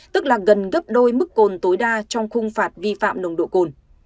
tức là gần gấp đôi mức cồn tối đa trong khung phạt vi phạm nồng độ cồn